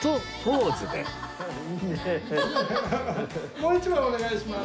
もう１枚お願いします。